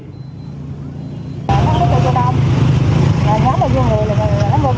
nó không có cho vô đông nhóm là vô người